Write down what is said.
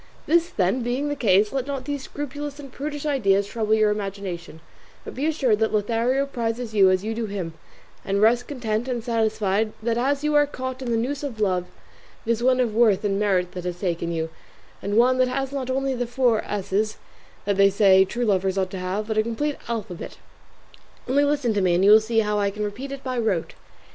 This, then, being the case, let not these scrupulous and prudish ideas trouble your imagination, but be assured that Lothario prizes you as you do him, and rest content and satisfied that as you are caught in the noose of love it is one of worth and merit that has taken you, and one that has not only the four S's that they say true lovers ought to have, but a complete alphabet; only listen to me and you will see how I can repeat it by rote.